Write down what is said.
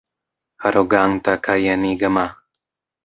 Aroganta kaj enigma.